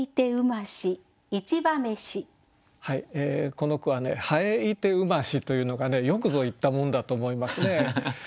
この句は「蠅ゐてうまし」というのがねよくぞ言ったもんだと思いますね。